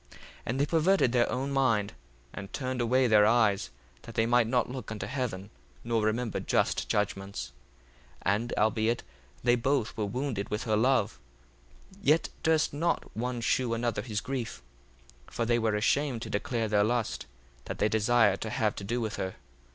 1:9 And they perverted their own mind, and turned away their eyes, that they might not look unto heaven, nor remember just judgments. 1:10 And albeit they both were wounded with her love, yet durst not one shew another his grief. 1:11 For they were ashamed to declare their lust, that they desired to have to do with her.